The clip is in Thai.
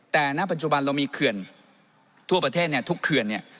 แต่ณปัจจุบันเรามีเขื่อนทั่วประเทศเนี่ยทุกเขื่อนเนี่ย